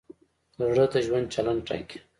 زړه د ژوند چلند ټاکي.